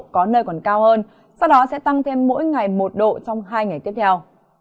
có nơi còn cao hơn sau đó sẽ tăng thêm mỗi ngày một độ trong hai ngày tiếp theo